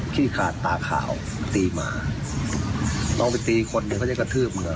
ขี้ขาดตาขาวตีหมาลองไปตีคนเดี๋ยวเขาจะกระทืบมือ